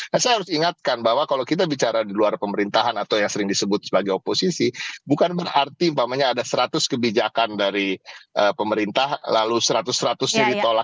nah saya harus ingatkan bahwa kalau kita bicara di luar pemerintahan atau yang sering disebut sebagai oposisi bukan berarti ada seratus kebijakan dari pemerintah lalu seratus seratus nya ditolak